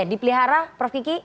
dipelihara prof kiki